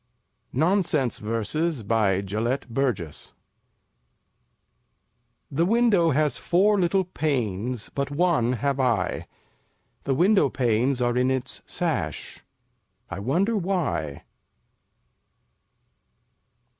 NONSENSE VERSES BY GELETT BURGESS 1 The Window has Four little Panes: But One have I; The Window Panes are in its sash, I wonder why!